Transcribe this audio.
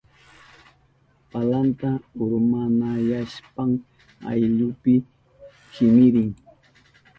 Palanta urmanayashpan ayllunpi kimirin.